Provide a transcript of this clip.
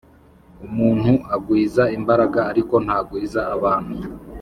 umuntu agwiza imbaraga ariko ntagwiza abantu